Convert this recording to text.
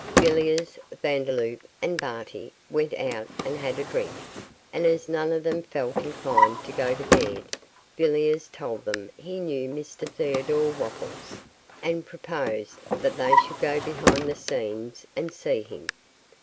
Villiers, Vandeloup, and Barty went out and had a drink, and as none of them felt inclined to go to bed, Villiers told them he knew Mr Theodore Wopples, and proposed that they should go behind the scenes and see him.